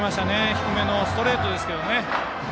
低めのストレートですけどね。